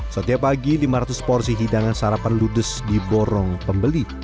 setiap pagi lima ratus porsi hidangan sarapan ludes di borong pembeli